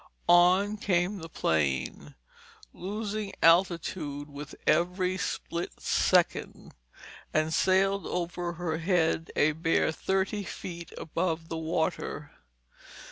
On came the plane, losing altitude with every split second, and sailed over her head a bare thirty feet above the water.